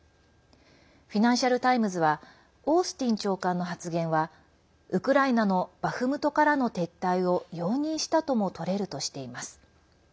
フィナンシャル・タイムズはオースティン長官の発言はウクライナのバフムトからの撤退を容認したともとれるとしています。